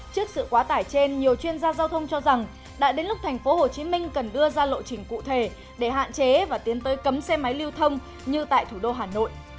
trước sự quá tải trên nhiều chuyên gia giao thông cho rằng đã đến lúc tp hcm cần đưa ra lộ trình cụ thể để hạn chế và tiến tới cấm xe máy lưu thông như tại thủ đô hà nội